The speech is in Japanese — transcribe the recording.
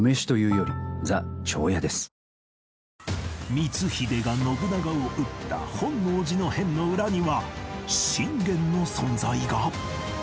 光秀が信長を討った本能寺の変の裏には信玄の存在が？